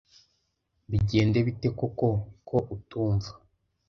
Bigende bite koko ko utumva